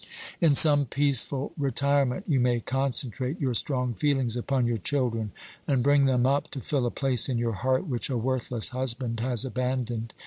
"In some peaceful retirement you may concentrate your strong feelings upon your children, and bring them up to fill a place in your heart which a worthless husband has abandoned.